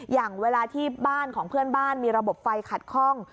อย่างเวลาที่บ้านของเพื่อนบ้านมีระบบไฟขัดข้อง